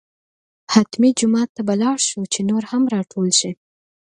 حتمي جومات ته به لاړ شو چې نور هم راټول شي.